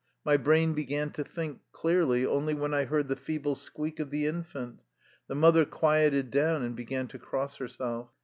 My brain began to think clearly only when I heard the feeble squeak of the infant. The mother quieted down, and began to cross herself.